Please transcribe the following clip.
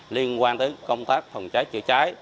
liên quan tới công tác phòng cháy chữa cháy